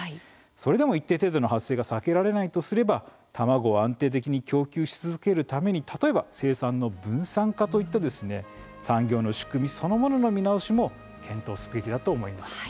それでも一定程度の発生が避けられないとすれば卵を安定的に供給し続けるために例えば生産分散化といった産業の仕組みそのものの見直しも検討すべきだと思います。